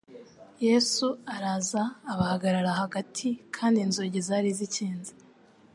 «Yesu araza abahagarara hagati kandi inzugi zari zikinze,